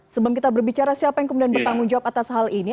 sebelum kita berbicara siapa yang kemudian bertanggung jawab atas hal ini